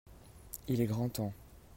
il est grand temps.